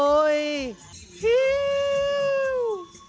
โอ้โฮ